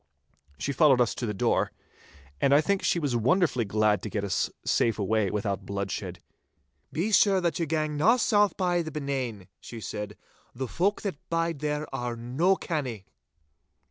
She followed us to the door, and I think she was wonderfully glad to get us safe away without bloodshed. 'Be sure that ye gang na south by the Benane,' she said, 'the folk that bide there are no canny.